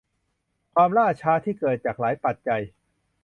ความล่าช้าที่เกิดจากหลายปัจจัย